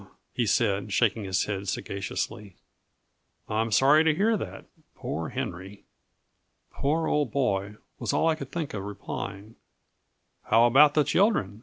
he said, shaking his head sagaciously, "I'm sorry to hear that. Poor Henry!" "Poor old boy!" was all I could think of replying. "How about the children?"